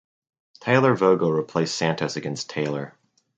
Tyler Vogel replaced Santos against Taylor.